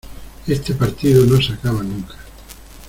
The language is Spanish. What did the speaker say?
Este partido no se acaba nunca.